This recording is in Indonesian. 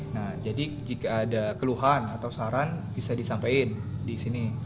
nah jadi jika ada keluhan atau saran bisa disampaikan di sini